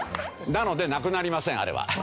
なのでなくなりませんあれは。